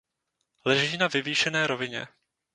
Leží na vyvýšené rovině.